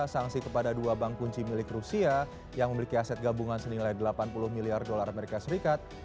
sanksi kepada dua bank kunci milik rusia yang memiliki aset gabungan senilai delapan puluh miliar dolar amerika serikat